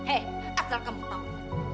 eh asal kamu tau